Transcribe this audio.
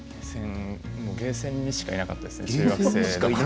ゲーセンにしかいなかったですね。